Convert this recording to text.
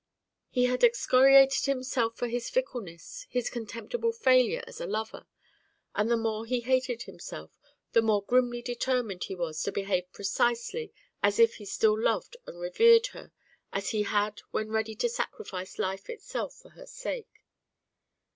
He had excoriated himself for his fickleness, his contemptible failure as a lover; and the more he hated himself the more grimly determined he was to behave precisely as if he still loved and revered her as he had when ready to sacrifice life itself for her sake.